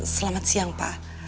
selamat siang pak